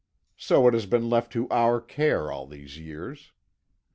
So it has been left to our care all these years.